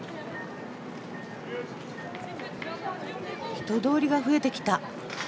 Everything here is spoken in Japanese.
人通りが増えてきた。